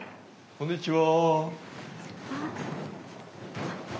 こんにちは。